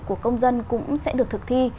của công dân cũng sẽ được thực thi